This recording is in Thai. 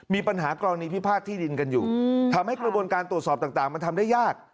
มีปัญหากรณีพิพาทที่ดินกันอยู่ทำให้กระบวนการตรวจสอบต่างมันทำได้ยาก